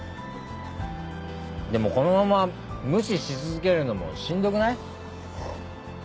でもこのまま無視し続けるのもしんどくない？